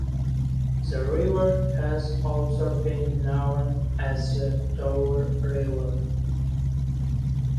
The river has also been known as the Dover River.